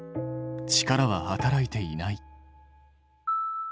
力は働いていない。